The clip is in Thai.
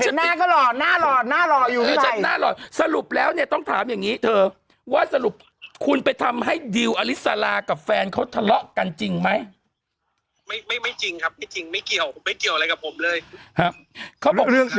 หน้าก็หลอดหน้าหลอดหน้าหลอดอยู่สรุปแล้วเนี่ยต้องถามอย่างนี้เธอว่าสรุปคุณไปทำให้ดีลอลิสรากับแฟนเขาทะเลาะกันจริงไหมไม่จริงไม่เกี่ยวไม่เกี่ยวอะไรกับผมเลย